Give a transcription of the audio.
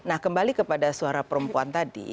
nah kembali kepada suara perempuan tadi